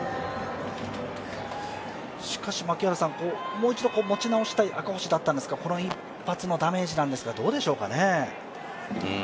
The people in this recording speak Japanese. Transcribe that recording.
もう一度持ち直したい赤星だったんですが、この一発のダメージなんですがどうでしょうね？